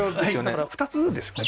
だから２つですよね